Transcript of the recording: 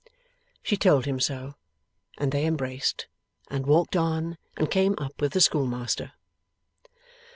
She told him so, and they embraced, and walked on and came up with the schoolmaster.